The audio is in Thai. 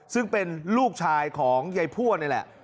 ซึ่งเป็นลูกชายของยายพั่วนี่แหละ